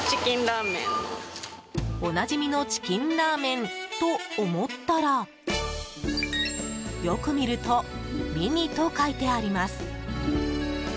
おなじみのチキンラーメンと思ったらよく見るとミニと書いてあります。